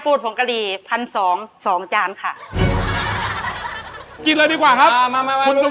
พูดผงกาหรี่พันสองสองจานค่ะกินเลยดีกว่าฮะมามาดู